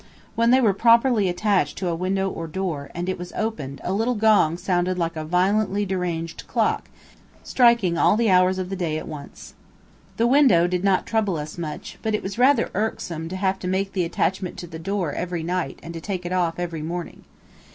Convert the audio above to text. When they were properly attached to a window or door, and it was opened, a little gong sounded like a violently deranged clock, striking all the hours of the day at once. The window did not trouble us much, but it was rather irksome to have to make the attachment to the door every night and to take it off every morning.